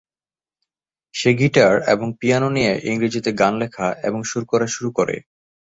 সে guitar এবং piano নিয়ে ইংরেজিতে গান লেখা এবং সুর করা শুরু করে।